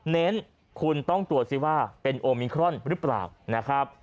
เน้นคุณต้องตรวจสิว่าเป็นโอมิครอนหรือเปล่านะครับ